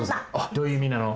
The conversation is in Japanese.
どういういみなの？